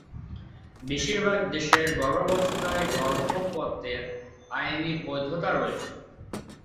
বেশিরভাগ দেশে গর্ভাবস্থায় গর্ভপাতের আইনি বৈধতা রয়েছে।